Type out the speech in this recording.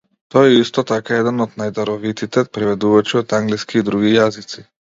Тој е исто така еден од најдаровитите преведувачи од англиски и други јазици.